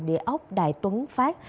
địa ốc đại tuấn phát